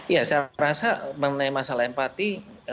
ya saya rasa mengenai masalah empati